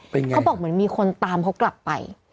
เขาบอกเหมือนมีคนตามเขากลับไป